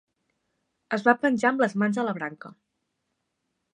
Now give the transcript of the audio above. Es va penjar amb les mans a la branca.